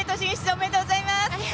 ありがとうございます。